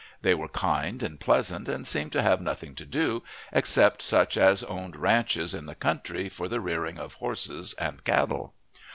They were kind and pleasant, and seemed to have nothing to do, except such as owned ranches in the country for the rearing of horses and cattle.